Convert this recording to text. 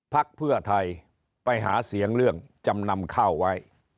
พักเพื่อไทยไปหาเสียงเรื่องจำนำข้าวไว้